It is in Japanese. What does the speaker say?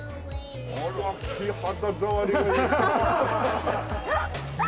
あら君肌触りがいいこと。